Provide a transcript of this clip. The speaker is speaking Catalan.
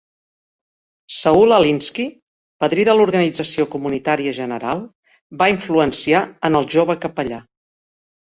Saul Alinsky, padrí de l'organització comunitària general, va influenciar en el jove capellà.